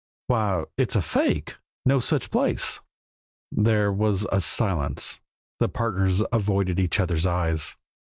"Why, it's a fake no such place." There was a silence; the partners avoided each other's eyes.